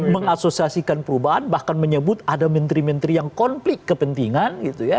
mengasosiasikan perubahan bahkan menyebut ada menteri menteri yang konflik kepentingan gitu ya